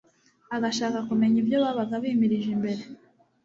agashaka kumenya ibyo babaga bimirije imbere,